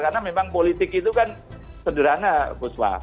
karena memang politik itu kan sederhana bu swa